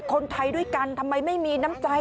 คนไทยด้วยกันทำไมไม่มีน้ำใจ